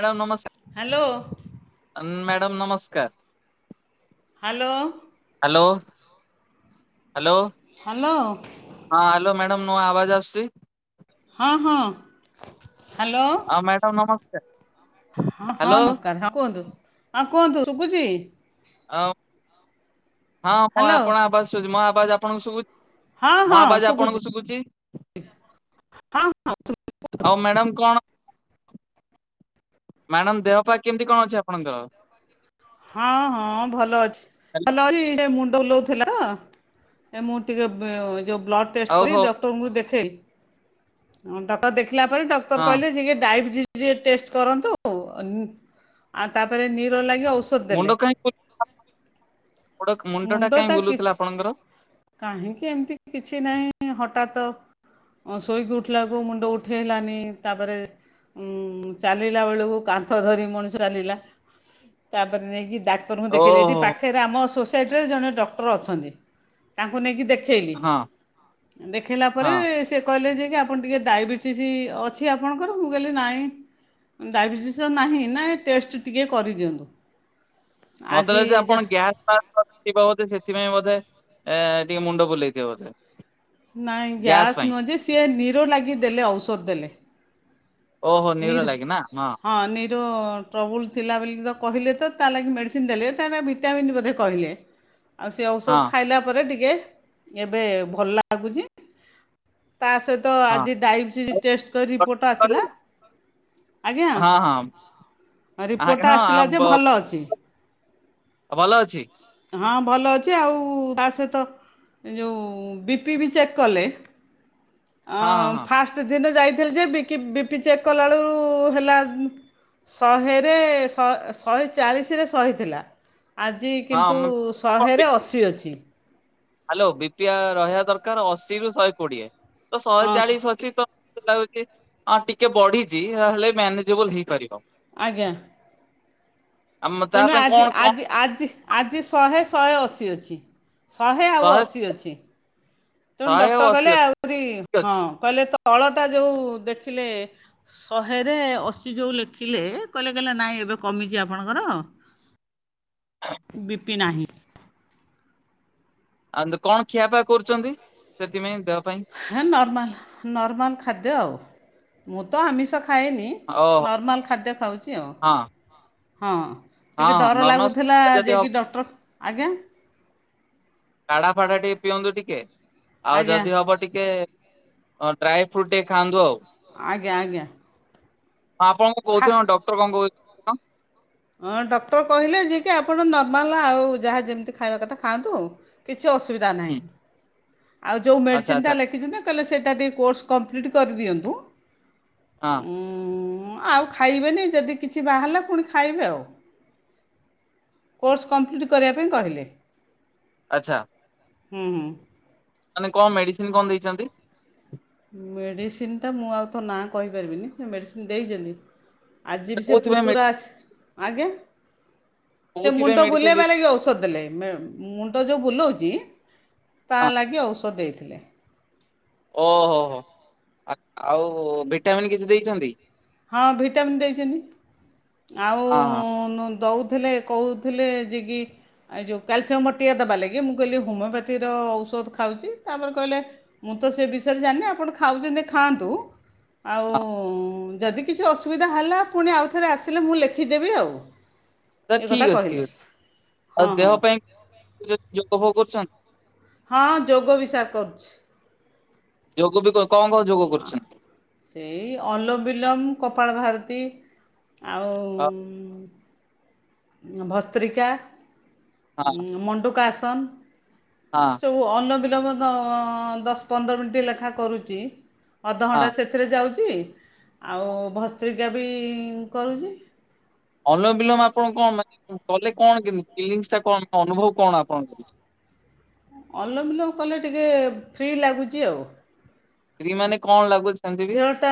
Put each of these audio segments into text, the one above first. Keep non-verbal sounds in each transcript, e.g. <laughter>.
Madam hello ନମସ୍କାର। Madam ନମସ୍କାର। Hello. Hello hello. Hello. ହଁ ହ୍ୟାଲୋ ମ୍ୟାଡାମ ନୁ ଆବାଜ ଆସୁଚି? ହଁ ହଁ ହ୍ୟାଲୋ। ହଁ ମ୍ୟାଡ଼ାାମ ନମସ୍କାର। ହଁ ହଁ ହ୍ୟାଲୋ ନମସ୍କାର। ହଁ କୁହନ୍ତୁ ହଁ କୁହନ୍ତୁ। ଶୁଭୁଚି? ଆଉ ହଁ ମୁଁ ହ୍ୟାଲୋ ଆପଣ ଆବାଜ ଶୁଚି ମୋ ଆବାଜ ଆପଣଙ୍କୁ ଶୁବୁଚି? ହଁ ମୋ ହଁ ଆବଜ୍ ଶୁଭୁଛି ଆପଣଙ୍କୁ ଶୁବୁଚି? ହଁ ହଁ ଶୁବି ଆଉ ମ୍ୟାଡାମ କଣ ମ୍ୟାଡ଼ାମ ଦେହ ପା କେମିତି କଣ ଅଛି ଆପଣଙ୍କର? ହଁ ହଁ ଭଲ ଅଛି। ଭଲ ଅଛି ସେ ମୁଣ୍ଡ ବୁଲଉଥିଲା ତ ଏ ମୁଁ ଟିକେ ବ ଯୋଉ ବ୍ଲଡ଼ ଟେଷ୍ଟ ଆଉ କଲି ହଉ ଡକ୍ଟରଙ୍କୁ ଦେଖେଇଲି। ଡକ୍ଟର ଦେଖିଲା ପରେ ଡକ୍ତର ହଁ କହିଲେ ଯେ ଇଏ ଡାଇବେଟିସ ଟିକେ ଟେଷ୍ଟ କରନ୍ତୁ। ଆ ତାପରେ ନିରୋ ଲାଗି ଓ ମୁଣ୍ଡ କାଇ <unintelligible> ମୁ ମୁଣ୍ଡ ଟା କାଇଁ ମୁଣ୍ଡଟା ବୁଲୋଉଥିଲା କିଛି ଆପଣଙ୍କର? କାହିଁକି ଏମିତି କିଛି ନାହିଁ ହଠାତ ଶୋଇକି ଉଠିଲାକୁ ମୁଣ୍ଡ ଉଠାଇଲାନି ତାପରେ ଉଁ ଚାଲିଲା ବେଳକୁ କାନ୍ଥ ଧରି ମଣିଷ ଚାଲିଲା। ତାପରେ ନେଇକି ଡାକ୍ତରଙ୍କୁ ଦେଖେଇଲେ ଏଠି ଓହୋ ପାଖ ହେରେ ଆମ ସୋସାଇଟିରେ ଜଣେ ଡକ୍ଟର ଅଛନ୍ତି ତାଙ୍କୁ ନେଇି ଦେଖ ଥେଇଲି ହଁ ଦେଖେଇଲା ପରେ ହଁ ସେ କହିଲେ ଯେ କି ଆପଣ ଟିକେ ଡାଇବେଟିସ୍ ଅଛି ଆପଣଙ୍କର ମୁଁ କହିଲି ନାଇଁ। ଡାଇବେଟିସ୍ ନାହିଁ ନା ଟେଷ୍ଟ ଟିକେ କରିଦିଅନ୍ତୁ? ମତେ ଆଜି ଯେ ଯା ଆପଣ ଗ୍ୟାସ୍ ବ୍ୟାସ ଫ୍ୟାସ ଥିବା ବୋଧେ ସେଥିପାଇଁ ବୋଧେ ଏ ଟିକେ ମୁଣ୍ଡ ବୁଲେଇଥିବ ବୋଧେ ନହିଁ ଗ୍ୟାସ୍ ନୁହେଁ ଯେ ସିଏ ନିର ଲାଗି ଦେଲେ ଔଷଧ ଦେଲେ ଓହୋ ନିର ଲାଗେ ନା ହଁ। ହଁ ନିର ଟ୍ରବୁଲ୍ ଥିଲା ବୋଲି ତ କହିଲେ ତ ତା ଲାଗି ମେଡ଼ିସିନ ଦେଲେ ତାା ଭିଟାମିନ୍ ବୋଧେ କହିଲେ। ଆଉ ସେ ହଁ ଔଷଧ ଖାଇଲା ପରେ ଟିକେ ଏବେ ଭଲ ଲାଗୁଛି ତା ସହିତ ତ ହଁ। ଆଜି ଡାଇବେଟି ହଁ ଟେଷ୍ଟ କରି ରିପୋର୍ଟ ହଁ ଆସିଲା। ଆଜ୍ଞା ଆହାଁ ରିପୋର୍ଟଟା ହଁ ଆ ଆସିଲା ଯେ ଭଲ ଅଛି। ଅ ଭଲ ଅଛି। ହଁ ଭଲ ଅଛି ଆଉ ତା ସହିତ ଯୋଭ ବି ପି ବି ଚେକ୍ କଲେ? ଅ ହଁ ହଁ ହଁ। ଫାଷ୍ଟ ଦିନ ଯାଇଥିଲି ଯେ ବି କି ପି ପି ଚେକ୍ କଲାଳୁ ହେଲା ଶହେରେ ଶହେ ଶହେ ଚାଳିଶରେ ଶହେ ଥିଲା। ଆଜି ହଁ କିନ୍ତୁ ମ- ଶହେରେ ଅଶୀ ଅଛି। ହ୍ୟାଲୋ ବିପିଆ ରହିବା ଦରକାର ଅଶିରୁୁ ଶହେ କୋଡିଏ ତ ଶହେ ହଁ ଚାଳିଶ ଅଛି ତ ମତେ ଲାଗୁଚି ଟିକେ ବଢିଛି ତାହେଲେ ମ୍ୟାନେଜେବଲ ହେଇପାରିବ। ଆଜ୍ଞା। ଆମ ତା ତେଣୁ ପାଇଁ ଆଜି କଣ କଣ ଆଜି ଆଜି ଆଜି ଶହେ ଶହେ ଅଶୀ ଅଛି। ଶହେ ଆଉ ଅଶୀ ଅଛି। ତେଣୁ ଶହେ ଆଉ ଡକ୍ଟର ଅଶୀ କହିଲେ ଅଛି ଆହୁରି ଠିକ ହଁ ଅଛି କହିଲେ ତଳଟା ଯୋଉ ଦେଖିଲେ ଶହେରେ ଅଶୀ ଯେଉ ଲେଖିଲେ କହିଲେ କହିଲେ ନାଇଁ ଏବେ କମିଛି ଆପଣଙ୍କର। ହଁ <unintelligible> ବି ପି ନାହିଁ। ଆଉ କଣ ଖିଆ ଫିଆ କରୁଛନ୍ତି ସେଥିପାଇଁ ଦେହ ପାଇଁ? ହଁ ନର୍ମାଲ ନର୍ମାଲ୍ ଖାଦ୍ୟ ଆଉ ମୁଁ ତ ଆମିଷ ଖାଏନି ଓହୋ ନର୍ମାଲ ଖାଦ୍ୟ ଖାଉଛି ଆଉ ହଁ ହଁ। ହଁ ଟିକେ ଡର ନର୍ମାଲ ଲାଗୁଥିଲା ଯଦି ହବ ଯାଇକି ଡକ୍ଟର ଆଜ୍ଞା। କାଢା ଫାଡା ଟିକେ ପିଅନ୍ତୁ ଟିକେ ଆଉ ଆଜ୍ଞା ଯଦି ହବ ଟିକେ ହଁ ଡ୍ରାାଇ ଫ୍ରୁଟ୍ ଟିକେ ଖାଆନ୍ତୁ ଆଉ। ଆଜ୍ଞା ଆଜ୍ଞା। ହଁ ଆପଣକୁ ଖା କହୁଥ ଡକ୍ଟର କଣ କହୁ ହଁ ଡକ୍ଟର କହିଲେ ଯେ କି ଆପଣ ନର୍ମାଲ ଆଉ ଯାହା ଯେମିତି ଖାଇବା କଥା ଖାଆନ୍ତୁ। କିଛି ଅସୁବିଧା ନାହିଁ ହୁଁ ଆଉ ଯୋଉ ଆଚ୍ଛା ମେଡ଼ିସିନିଟା ଆଚ୍ଛା ଲେଖିଛନ୍ତି ତାହା ହେଲେ ସେଇଟା ଟିକେ କୋର୍ସ କପ୍ଲିଟ୍ କରିଦିଅନ୍ତୁ। ହଁ ହୁଁ ଆଉ ଖାଇବେନି ଯଦି କିଛି ବାହାରିଲା ପୁଣି ଖାଇବେ ଆଉ କୋର୍ସ କମ୍ପ୍ଲିଟ୍ କରିବା ପାଇଁ କହିଲେ। ଆଚ୍ଛା। ହୁଁ ହୁଁ। ମାନେ କଣ ମେଡିସିନ କଣ ଦେଇଛନ୍ତି? ମେଡ଼ିସିନ୍ ଟା ମୁଁ ଆଉ ତ ନାଁ କହିପାରିବିନି ସେ ମେଡ଼ିସିନ ଦେଇଛନ୍ତି ଆଯିବି ସେ କୋଉଥିପାଇଁ ମେ ପୁତୁରା ଆସ ଆଜ୍ଞ? ସେ କୋଉଥିପାଇଁ ମୁଣ୍ଡ ମେଡିସିନ ଦେଇ ବୁଲେଇବା ଲାଗି ଔଷଧ ଦେଲେ ମେ ମୁଣ୍ଡ ଯୋଉ ବୁଲଉଛି ତା ହଁ ଲାଗି ଔଷଧ ଦେଇଥିଲେ। ଓ ହୋ ହୋ ଆକ୍ ଆଉ ଭିଟାମିନ୍ କିଛି ଦେଇଛନ୍ତି? ହଁ ଭିଟାମିନ୍ ଦେଇଛନ୍ତି ଆଉ ହଁ ହଁ ଦୁ ଦଉଥିଲେ କହୁଥିଲେ ଯେ କି ଏ ଯେଉଁ କ୍ୟାଲସିୟମ୍ ବଟିକା ଦେବା ଲାଗି ମୁଁ କହିଲି ହୋମିଓପାଥିର ଔଷଧ ଖାଉଛି ତାପରେ କହିଲେ ମୁଁ ତ ସେ ବିଷୟରେ ଜାଣିନି ଆପଣ ଖାଉଛନ୍ତି ଖାଆନ୍ତୁ ଆଉ ହଁ ଯଦି କିଛି ଅସୁବିଧା ହେଲା ପୁଣି ଆଉଥରେ ଆସିଲେ ମୁଁ ଲେଖିଦେବି ଆଉ। ତ ଏ କଥା ଠିକ୍ ଅଛି ଠିକ୍ କହିଲେ ଅଛି ହଁ ଆଉ ହଁ ଦେହ ପାଇଁ କେ ଯୋଗଭୋଗ କରୁଛନ୍ତି? ହଁ ଯୋଗ ବିଷାକ କରୁଛି। ଯୋଗ ବି କ କଣ କ ହଁ ସେଇ ଅଲବିଲମ କପାଳ ଭାରତୀ ଆଉ। ଅ, ଭସ୍ତ୍ରିକା ହଁ ମଣ୍ଡୁକାସନ। ହଁ। ଉହୁ ଅଲମବିଲମ୍ ତ ଦଶପନ୍ଦର ମିନିଟ୍ ଲେଖା କରୁଛି। ହଁ ଅଧଘଣ୍ଟା ସେ ସେଥିରେ ଯାଉଛି ଆଉ ଭସ୍ତ୍ରିକା ବି କରୁଛି। ଅଲମବିଲୋମ ଆପଣ କଣ ମାନେ କଲେ କଣ କେମିତି ଫିଲିଙ୍ଗ୍ସ ଟା କଣ ଅନୁଭବ କଣ ଆପଣଙ୍କୁ ରହୁଛି। ଅଲମବିଲୋମ କଲେ ଟିକେ ଫ୍ରି ଲାଗୁଛି ଆଉ। ଫ୍ରି ମାନେ କଣ ଲାଗୁଛି? ସେମିତି ବି ଦେହଟା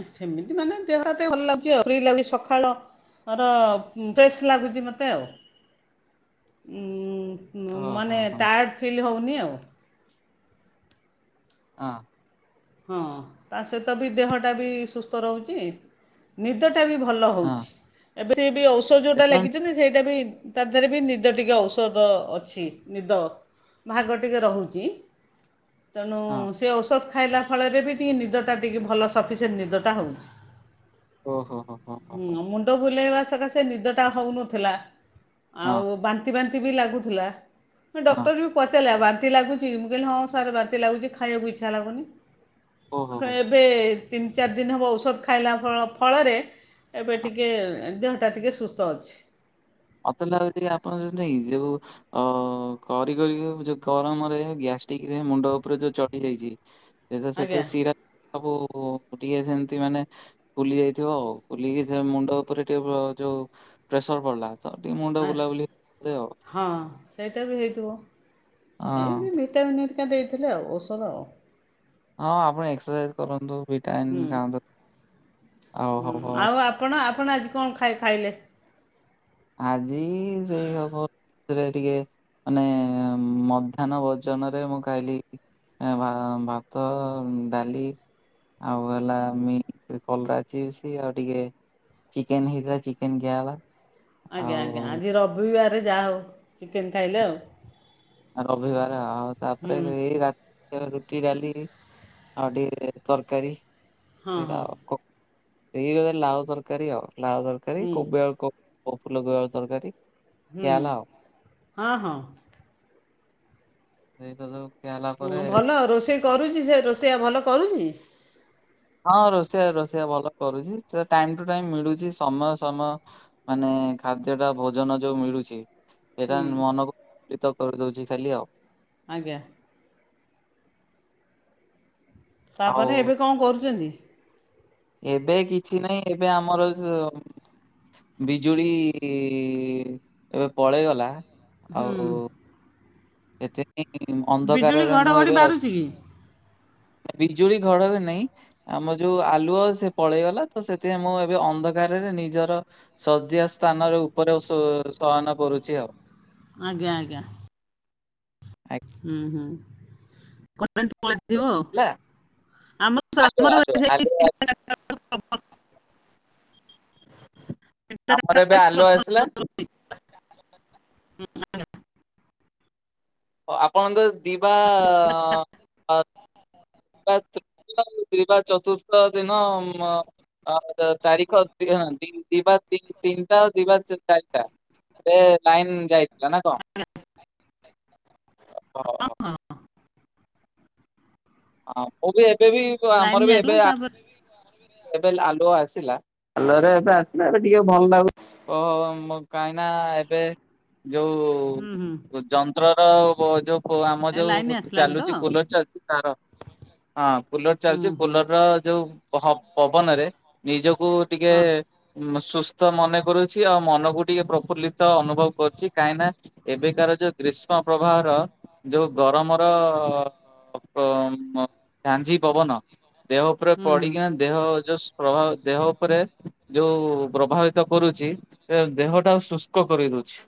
ଏ ସେମିତି ମାନେ ଦେହଟା ଟିକେ ଭଲ ଲାଗୁଛି ଆଉ ଫ୍ରି ଲାଗୁଛି ସକାଳ ମୋର ଉଁ ଫ୍ରେସ୍ ଲାଗୁଛି ମୋତେ ଆଉ ଉଁ। ଉଁ ହଁ ମାନେ ହଁ ହଁ ଟାୟାର୍ଡ଼ ଫିଲ୍ ହେଉନି ଆଉ। ଅଁ। ହଁ ତା ସହିତ ବି ଦେହଟା ବି ସୁସ୍ଥ ରହୁଛି। ନିଦ ଟା ବି ଭଲ ହଉଛି। ହଁ ଏବେ ସେ ବି ଔଷ ଯୋଉଟା ଏତ ଲେଖିଛନ୍ତି ସେଇଟା ବି ତା ଦେହରେ ବି ନିଦ ଟିକେ ଔଷଧ ଅଛି ନିଦ ଭାଗ ଟିକେ ରହୁଛି। ତେଣୁ ହଁ ସେ ଔଷଧ ଖାଇଲା ଫଳରେ ବି ଟିକେ ନିଦଟା ଟିକେ ଭଲ ସଫିସେଣ୍ଟ ନିଦଟା ହଉଛି। ଓହୋ ହୋ ହୋ ହୋ ହୁଁ ହୋ ମୁଣ୍ଡ ବୁଲେଇବା ସକାଶେ ନିଦ ଟା ହଉନଥିଲା ହଁ ଆଉ ବାନ୍ତି ବାନ୍ତି ବି ଲାଗୁଥିଲା ହଁ ଡକ୍ଟର ବି ପଚାରିଲା ବାନ୍ତି ଲାଗୁ ଚି ମୁଁ କହିଲି ହଁ ସାର ବାନ୍ତି ଲାଗୁଚି ଖଇବାକୁ ଇଚ୍ଛା ଲାଗୁନି। ମୁଁ ଓହୋ କ ହୋ ଏବେ ତିନି ଚାରି ଦିନି ହେବ ଔଷଧ ଖାଇଲା ଫଳ ଫଳରେ ଏବେ ହଁ ଟିକେ ଦେହଟା ଟିକେ ସୁସ୍ଥ ଅଛି। ମତେ ଲାଗୁଛି ଆପଣ ଯେମିତି ଇ ଯୋଉ ଅ କରି କରି ଯୋଉ ଗରମରେ ଗ୍ୟାଷ୍ଟିକ ରେ ମୁଣ୍ଡ ଉପରେ ଯୋଉ ଚଢି ଯାଇଛି। ସେ ତ ସେତ ଆଜ୍ଞା ଶିରା ସବୁ ଟିକେ ସେମିତି ମାନେ ଫୁଲି ଯାଇଥିବ ଆଉ ଫୁଲିକି ସେ ମୁଣ୍ଡ ଉପରେ ଟିକେ ଅ ଯୋଉ ପ୍ରେସର ପଡିଲା <unintelligible> କରେ ଆଉ ହଁ ସେଇଟା ବି ହେଇଥିବ। ହେଇ। ହଁ <unintelligible> <unintelligible> ଦେଇଥିଲେ ଆଉ ଔଷଧ ଆଉ। ହଁ ଆପଣ ଏକ୍ସରସାଇଜ୍ କରନ୍ତୁ ହୁଁ ଭିଟାମିନ୍ ଖାଆନ୍ତୁ। ଆଉ ହୁଁ। ହବ ଆଉ ଆପଣ ଆପଣ ଆଜି କଣ ଖାଇ ଖାଇଲେ? ଆଜି ସେଇ ହବ ରେ ଟିକେ ମାନେ ମଧ୍ୟାହ୍ନ ଭୋଜନରେ ମୁଁ ଖାଇଲି ଏ ଭା ଭାତ ଡାଲି ଆଉ ହେଲା କଲରା ଚିପ୍ସ ଆଉ ଟିକେ ଚିକେନ୍ ହେଇଥିଲା ଚିକେନ୍ ଖିଆହେଲା। ଆଜ୍ଞା ଆଜ୍ଞା। ଆଜି ରବିବାରେ ଯାହା ହଉ ଚିକେନ୍ ଖାଇଲେ ଆଉ। ରବିବାର ଆଉ ହୁଁ ତାପରେ ଏଇ ରା ରୁଟି ଡାଲି ଆଉ ଟିକେ ତରକାରୀ ହଁ ଏଇରା ହଁ ଆଉ। ଏଇ ଲାଉ ତରକାରୀ ଆଉ ଲାଉ ତରକାରୀ ହୁଁ କୋବି ଆଳୁ କୋ ଫୁଲ କୋବି ଆଳୁ ତରକାରୀ। ହୁଁ ଖିଆ ହୁଁ। ହେଲା ଆଉ ହଁ ହଁ। ସେଇଟା ଯୋଉ ଭଲ ରୋଷେଇ କରୁଚି ସେ ରୋଷେଇଆ ଭଲ କରୁଚି? ହଁ ରୋଷେଇଆ ରୋଷେଇଆ ଭଲ କରୁଚି। ସେ ଟାଇମ ଟୁ ଟାଇମ ମିଳୁଚି ସମୟ ସମୟ। ମାନେ ଖାଦ୍ୟ ଟା ଭୋଜନ ଯୋଉ ମିଳୁଚି ସେଇଟା ହୁଁ ମନକୁ ପ୍ରୀତ କରିଦଉଚି ଖାଲି ଆଉ। ଆଜ୍ଞା। ଆଉ ତାପରେ ଏବେ କଣ କରୁଛନ୍ତି? ଏବେ କିଛି ନାହିଁ ଏବେ ଆମର ବିଜୁଳି ଏବେ ପଳେଇଗଲା। ଆଉ <unintelligible> ବିଜୁଳି ଅନ୍ଧକାରରେ ମୁଁ ଘଡ଼ଘଡ଼ି ଏବେ ଅ ମାରୁଛି କି ବିଜୁଳି ଘଡଘଡି ନାଇଁ। ଆମ ଯୋଉ ଆଲୁଅ ସେ ପଳେଇଗଲା। ତ ସେଥିପାଇଁ ମୁଁ ଏବେ ଅନ୍ଧକାରରେ ନିଜର ଶଯ୍ୟା ସ୍ଥାନରେ ଉପରେ ଶୋ ଶୟନ କରୁଚି ଆଉ। ଆଜ୍ଞା ଆଜ୍ଞା। <unintelligible> ହୁଁ ହୁଁ କରେଣ୍ଟ ପଳେଇଥିବ ଆଉ। ହେଲା ଆଲୁଅ ଆଲୁଅ ଆଲୁଅ <unintelligible> <unintelligible> ତିନିଟା ଚାରିଟା ଆମର ଏବେ ବେଳକୁ ଆଲୁଅ ଆସିଲା। ପ୍ରବଳ ଆପଣଙ୍କ ର ଦିବା <unintelligible> ଦିବା ଚତୁର୍ଥ ଦିନ ତାରିଖ <unintelligible> ଦିବା ତିନ୍ ତିନିଟା ଆଉ ଦିବା ଚାରିଟା। ଏ ଲାଇନ ଯାଇଥିଲା ନା କଣ? ହଁ ହଁ। ହଁ। ମୁଁ ବି ଏବେ ବି ଲାଇନ୍ ଆମର ବି ଯାଇଥିଲା ଏବେ ଆ ତାପରେ ଏବେ ଆଲୁଅ ଆସିଲା। ଆଲୁଅ ରେ ଏବେ ଆସିଲା ଏବେ ଟିକେ ଭଲ ଲାଗୁ ଅ ମୋ କାହିଁ ନା ଏବେ ହୁଁ ହୁଁ ଯୋଉ ଯନ୍ତ୍ର ର ଯୋଉ ଆମ ଏ ଲାଇନ୍ ଯୋଉ ଆସିଲାଣି ତ ଚାଲୁଚି କୁଲର ହୁଁ ଚାଲୁଚି ତାର ହଁ କୁଲର ଚାଲିଚି। ହୁଁ କୁଲର ର ଯୋଉ ହଁ ପବନରେ ନିଜକୁ ଟିକେ ହଁ ସୁସ୍ଥ ମନେ କରୁଚି ଆଉ ମନକୁ ଟିକେ ପ୍ରଫୁଲ୍ଲିତ ଅନୁଭବ କରୁଚି। କାହିଁକିନା ଏବେକାର ଯୋଉ ଗ୍ରୀଷ୍ମ ପ୍ରବାହର ଯୋଉ ଗରମର ଝାଞ୍ଜି ପବନ ଦେହ ଉପରେ ହୁଁ ହୁଁ ପଡିକିନା ଦେହ ଯଉ ପ୍ରଭା ଦେହ ଉପରେ ଯୋଉ ପ୍ରଭାବିତ କରୁଛି। ଏ ଦେହଟା ଆଉ ଶୁଷ୍କ କରିଦଉଛି।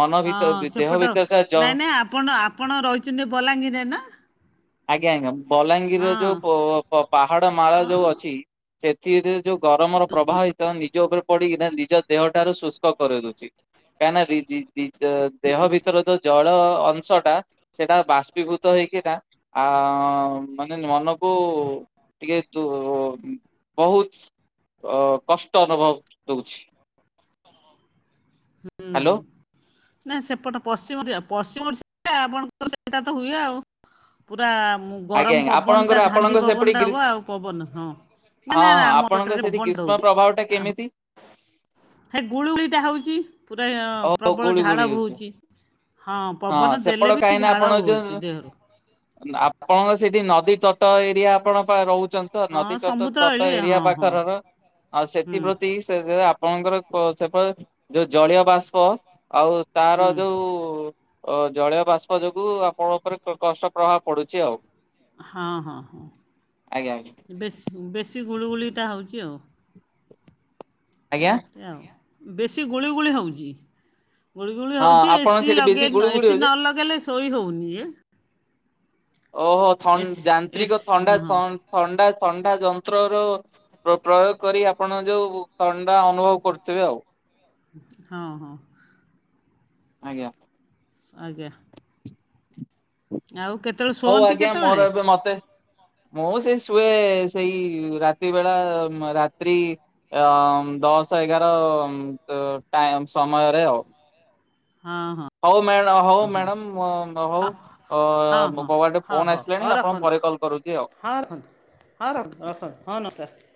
ମନ ହଁ ଭିତ ଦେହ ସେପଟ ଭିତରଟା ଜ ନାଇଁ ନାଇଁ ଆପଣ ଆପଣ ରହିଛନ୍ତି ବଲାଙ୍ଗୀରରେ ନା। ଆଜ୍ଞା ଆଜ୍ଞା ବଲାଙ୍ଗୀରର ହଁ ଯୋଉ ପୋ ପାହାଡ ମାଳ ଯୋଉ ଅଛି ସେଥିରେ ଯୋଉ ଗରମର ପ୍ରବାହ ହେଇ ତ ନିଜ ଉପରେ ପଡିକିନା ନିଜ ଦେହ ଠାରୁ ଶୁଷ୍କ କରେଇଦଉଛି କାହିଁକିନା ଦେହ ଭିତରେ ତ ଜଳ ଅଂଶ ଟା ସେଟା ବାଷ୍ପୀଭୂତ ହେଇକି ନା ଆ ମାନେ ମନକୁ ଟିକେ ତୁ ବହୁତ୍ ଅ କଷ୍ଟ ଅନୁଭବ ଦଉଛି ହ୍ୟାଲୋ। ନାଇଁ ସେପଟ ପଶ୍ଚିମ ଓରିଆ ପଶ୍ଚିମ ଓଡ଼ିଶା ଆପଣଙ୍କର ସେଇଟା ତ ହୁଏ ଆଉ। ପୁରା ଆଜ୍ଞା ଗରମ ଆଜ୍ଞା ପବନ ଆପଣଙ୍କର ଟା ଆପଣଙ୍କ ଝାଞ୍ଜି ସେପଟେ ପବନ ଟା ଗ୍ରୀ ହବ ଆଉ ପବନ ହଁ। ନା ହଁ ନା ହଁ ଆମ ଆପଣଙ୍କ ପଟରେ ସେଠି ପବନ ଗ୍ରୀଷ୍ମ ଦଉଚି ପ୍ରଭାବ ଟା ଆ ହଁ। କେମିତି? ହେ ଗୁଳିୁଗୁଳିଟା ହେଉଛି ପୁରା ଓ ପ୍ରବଳ ଗୁଳି ଗୁଳି ଝାଳ ହଉଛି ବୋଉଛି। ହଁ ପବନ ସେପଟ ଦେଲେ ବି କାହିଁକି ନା ଆପଣ ଝାଳ ଯୋଉ ହଉଛି ଦେହରୁ। ଆପଣଙ୍କ ସେଇଠି ନଦୀ ତଟ ଏରିଆ ଆପଣ ପା ରହୁଛି। ପ୍ରର୍ଯନ୍ତ୍ର ହଁ ନଦୀ ତଟ ସମୁଦ୍ର ତଟ ଏଳି ଏରିଆ ହଁ ହଁ। ପାଖରର ଆଉ ହୁଁ ସେଥିପ୍ରତି ସେ ସେ ଆପଣଙ୍କର ସେପ ସେପରେ ଯୋଉ ଜଳୀୟ ବାଷ୍ପ ଆଉ ହୁଁ ତାର ଯୋଉ ଓ ଜଳୀୟ ବାଷ୍ପ ଯୋଗୁ ଆପଣଙ୍କ ଉପରେ କଷ୍ଟ ପ୍ରଭାବ ପଡୁଛି ଆଉ। ହଁ ହଁ ହଁ ଆଜ୍ଞା ଆଜ୍ଞା ବେଶୀ ବେଶୀ ଗୁଳୁଗୁଳିଟା ହେଉଛି ଆଉ। ଆଜ୍ଞା ବେଶୀ ଗୁଳି ଗୁଳି ହେଉଛି। ଗୁଳି ଗୁଳି ହଁ ହଉଛି ଆପଣ ଏସି ସେଠି ବେଶୀ ଲଗେଇ ଗୁଳୁ ନା ଗୁଳି ଏସିି ହଉଛି ନ ଲଗେଇଲେ ଶୋଇ ହେଉନି ଏ। ଓ ହୋ ଥନ୍‌ ଏସ୍ ଏସ୍ ଯାନ୍ତ୍ରିକ ଥଣ୍ଡା ହଁ ଥନ୍‌ ଥଣ୍ଡା ଥଣ୍ଡା ଯନ୍ତ୍ରର ପ୍ର ପ୍ରୟୋଗ କରି ଆପଣ ଯୋଉ ଥଣ୍ଡା ଅନୁଭବ କରୁଥିବେ ଆଉ। ହଁ ହଁ। ଆଜ୍ଞା। ଆଜ୍ଞା। ଆଉ କେତେ ହଉ ଆଜ୍ଞା ମୋର ଏବେ ମତେ ମୁଁ ସେଇ ଶୁଏ ସେଇ ରାତି ବେଳା ମ ରାତ୍ରି ଅ ଦଶ ଏଗାର ତ ଟା ସମୟରେ ଆଉ। ହଁ ହଁ। ହଉ ମ୍ୟା ହଉ ହଁ ମ୍ୟାଡ଼ାମ ହଉ। ଅ ହଁ ହଁ ହଁ ମୋ ଆଡେ ହଉ ଫୋନ ହଉ ହଉ ଆସିଲାଣି ଆପଣ ରଖନ୍ତୁ ପରେ କଲ୍ କରୁଛି ଆଉ। ହଁ ରଖ ହଁ ରଖ ହଁ ନମସ୍କାର।